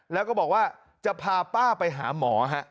แล้วก็บอกว่าจะพาป้าไปหาหมอฮะ